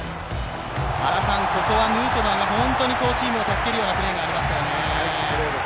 原さん、ここはヌートバーがチームを助けるようなプレーがありましたよね。